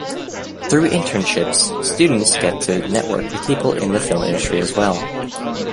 Through internships, students get to network with people in the film industry as well.